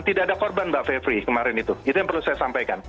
tidak ada korban mbak fevri kemarin itu itu yang perlu saya sampaikan